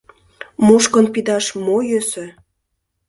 Мушкын пидаш мо йӧсӧ?